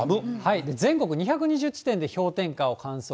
全国２２０地点で氷点下を観測。